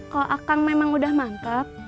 kalo akang memang udah mantep